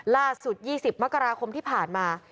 ล่าสุด๒๐มกราคมที่ผ่านมา